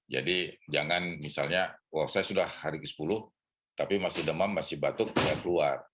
jadi jangan misalnya saya sudah hari ke sepuluh tapi masih demam masih batuk dia keluar